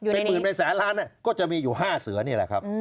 เป็นปืนในแสนล้านเนี่ยก็จะมีอยู่๕เสือนี่แหละครับ